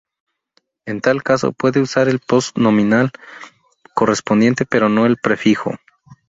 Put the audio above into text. En tal caso, pueden usar el post-nominal correspondiente, pero no el prefijo.